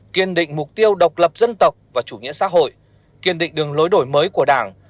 kiên định mục tiêu độc lập dân tộc và chủ nghĩa xã hội kiên định đường lối đổi mới của đảng